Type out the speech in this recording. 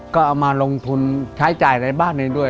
ก็เอามาลงทุนใช้จ่ายในบ้านนี้ด้วย